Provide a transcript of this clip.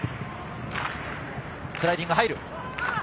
スライディング入る。